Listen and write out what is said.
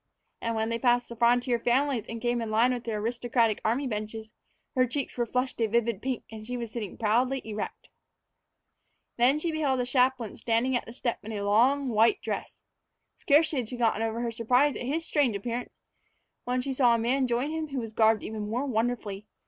And when they passed the frontier families and came in line with the aristocratic army benches, her cheeks were flushed a vivid pink, and she was sitting proudly erect. Then she beheld the chaplain standing at the step in a long, white dress. Scarcely had she gotten over her surprise at his strange appearance, when she saw a man join him who was garbed even more wonderfully.